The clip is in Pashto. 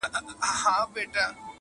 یوه بل ته یې ویله چي بیلیږو-